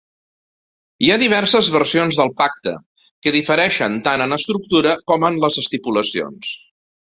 Hi ha diverses versions del pacte, que difereixen tant en estructura com en les estipulacions.